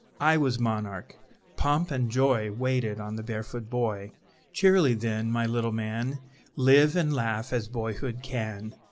I was monarch: pomp and joy Waited on the barefoot boy! Cheerily, then, my little man, Live and laugh, as boyhood can!